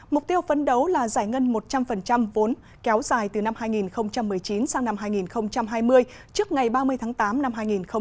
mục tiêu phấn đấu là giải ngân một trăm linh vốn kéo dài từ năm hai nghìn một mươi chín sang năm hai nghìn hai mươi trước ngày ba mươi tháng tám năm hai nghìn hai mươi